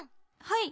はい。